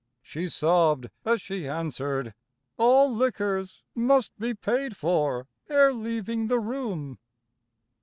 She sobbed, as she answered, "All liquors Must be paid for ere leaving the room."